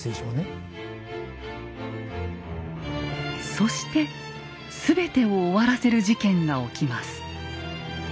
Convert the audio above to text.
そして全てを終わらせる事件が起きます。